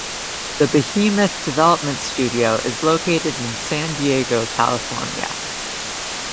The Behemoth development studio is located in San Diego, California.